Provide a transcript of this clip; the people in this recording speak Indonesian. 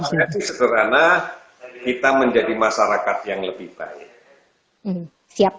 kalau saya sih sederhana kita menjadi masyarakat yang lebih baik